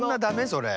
それ。